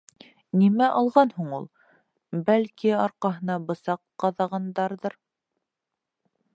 Нимә алған һуң ул, бәлки, арҡаһына бысаҡ ҡаҙағандарҙыр.